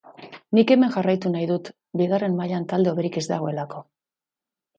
Nik hemen jarraitu nahi dut, bigarren mailan talde hoberik ez dagoelako.